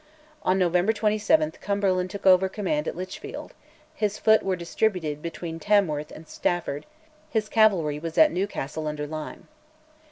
On November 27 Cumberland took over command at Lichfield; his foot were distributed between Tamworth and Stafford; his cavalry was at Newcastle under Lyme.